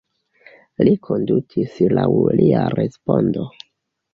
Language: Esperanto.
Li kondutis laŭ lia respondo.